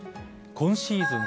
今シーズン